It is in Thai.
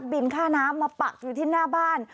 บินค่าน้ำมาปักอยู่ที่หน้าบ้าน